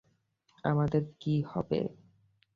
আমাদের কী হবে?